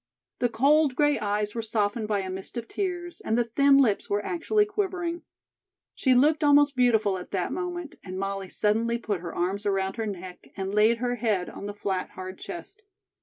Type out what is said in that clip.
The cold gray eyes were softened by a mist of tears and the thin lips were actually quivering. She looked almost beautiful at that moment, and Molly suddenly put her arms around her neck and laid her head on the flat, hard chest.